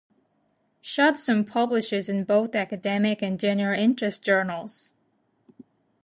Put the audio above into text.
Schudson publishes in both academic and general-interest journals.